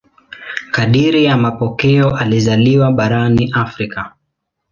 Kadiri ya mapokeo alizaliwa barani Afrika.